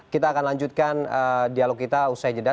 kita akan lanjutkan dialog kita usai jeda